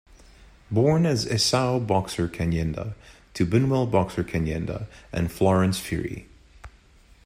Born as Esau Boxer Kanyenda, to Binwell Boxer Kanyenda and Florence Phiri.